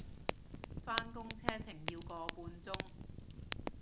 返工車程要個半鐘